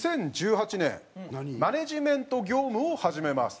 ２０１８年マネジメント業務を始めます。